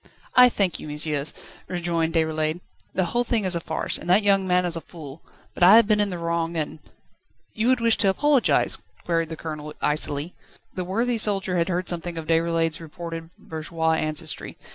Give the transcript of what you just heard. "I thank you, messieurs," rejoined Déroulède. "The whole thing is a farce, and that young man is a fool; but I have been in the wrong and ..." "You would wish to apologise?" queried the Colonel icily. The worthy soldier had heard something of Déroulède's reputed bourgeois ancestry.